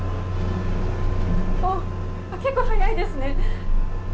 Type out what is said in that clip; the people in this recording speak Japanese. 結構早いですね。